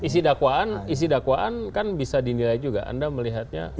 isi dakwaan isi dakwaan kan bisa dinilai juga anda melihatnya